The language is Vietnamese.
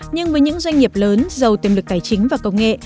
nhưng với những doanh nghiệp lớn giàu tiềm lực tài chính và công nghệ